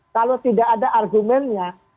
kalau tidak ada argumennya